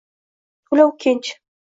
to’la o’kinch